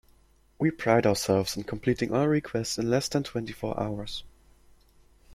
We pride ourselves in completing all requests in less than twenty four hours.